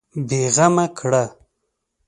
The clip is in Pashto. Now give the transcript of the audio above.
بېغمه کړ.